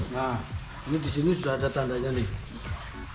nah ini di sini sudah ada tandanya nih